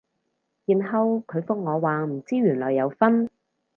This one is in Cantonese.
然後佢覆我話唔知原來有分